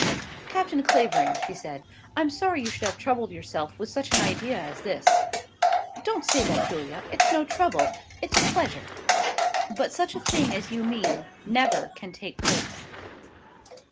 "Captain Clavering," she said, "I'm sorry you should have troubled yourself with such an idea as this." "Don't say that, Julia. It's no trouble; it's a pleasure." "But such a thing as you mean never can take place."